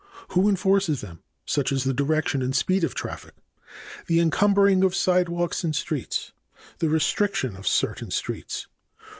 b. Who enforces them, such as the direction and speed of traffic? c. The encumbering of sidewalks and streets. d. The restriction of certain streets.